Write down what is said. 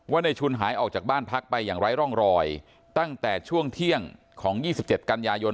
ในชุนหายออกจากบ้านพักไปอย่างไร้ร่องรอยตั้งแต่ช่วงเที่ยงของ๒๗กันยายน